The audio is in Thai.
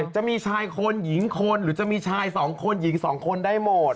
จะมีชายคนหญิงคนหรือจะมีชาย๒คนหญิง๒คนได้หมด